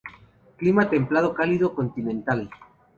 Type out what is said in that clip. Clima templado-cálido continental.